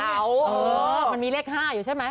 เออมันมีเลข๕อยู่ใช่ไหม